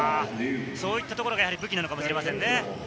そういったところが武器なのかもしれないですね。